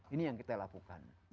ini yang kita lakukan